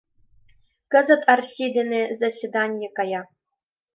Кызыт Арси дене заседанье кая.